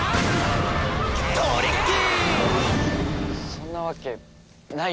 そんなわけないよね？